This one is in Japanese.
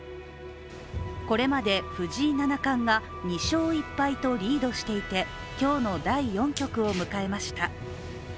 これまで藤井七冠が２勝１敗とリードしていて今日の第４局を迎えました。